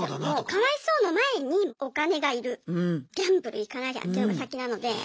かわいそうの前にお金が要るギャンブル行かなきゃっていうのが先なので。